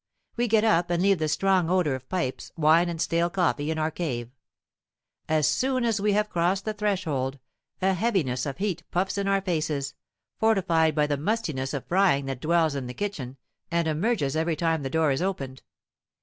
We get up, and leave the strong odor of pipes, wine, and stale coffee in our cave. As soon as we have crossed the threshold, a heaviness of heat puffs in our faces, fortified by the mustiness of frying that dwells in the kitchen and emerges every time the door is opened.